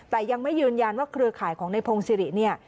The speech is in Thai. แต่ยังไม่ยืนยันว่าเครือข่ายของในพงศิริเนี่ย